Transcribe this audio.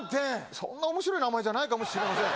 そんなおもしろい名前じゃないかもしれません。